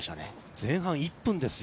前半１分ですよ。